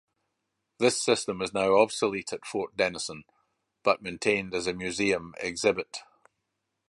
This system is now obsolete at Fort Denison but maintained as a museum exhibit.